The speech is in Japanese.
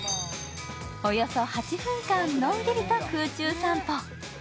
およそ８分間のんびりと空中散歩。